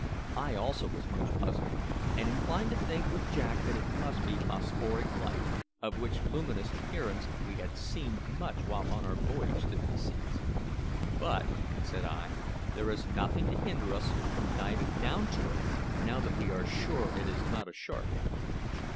I also was much puzzled, and inclined to think with Jack that it must be phosphoric light, of which luminous appearance we had seen much while on our voyage to these seas. "But," said I, "there is nothing to hinder us from diving down to it, now that we are sure it is not a shark."